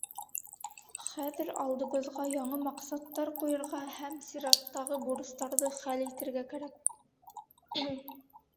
Хәҙер алдыбыҙға яңы маҡсаттар ҡуйырға һәм сираттағы бурыстарҙы хәл итергә кәрәк.